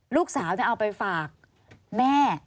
ลูกสาวจะเอาไปฝากแม่